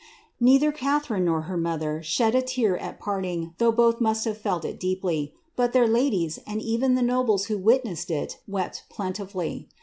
Neither Catharine nor her mother shed a tear at parting, though both must have felt it deeply ; but their ladies, and even the nobles who wit nessed it, wept plentifully.